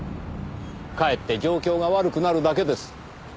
かえって状況が悪くなるだけです。